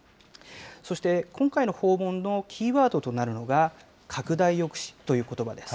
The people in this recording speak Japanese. そして今回の訪問のキーワードとなるのが、拡大抑止ということばです。